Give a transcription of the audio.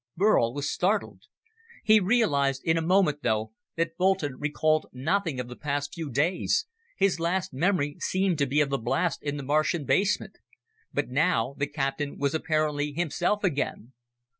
Burl was startled. He realized in a moment, though, that Boulton recalled nothing of the past few days his last memory seemed to be of the blast in the Martian basement. But now, the captain was apparently himself again.